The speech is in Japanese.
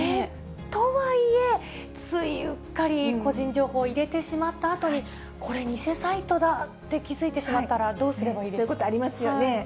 とはいえ、つい、うっかり、個人情報入れてしまったあとに、これ、偽サイトだって気付いてしそういうことありますよね。